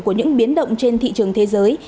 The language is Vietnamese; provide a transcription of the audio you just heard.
của những biến động trên thị trường thế giới